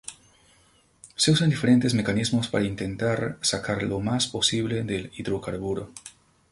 Se usan diferentes mecanismos para intentar sacar lo más posible del hidrocarburo.